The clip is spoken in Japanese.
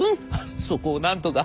「そこをなんとか！